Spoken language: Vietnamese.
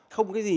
không có gì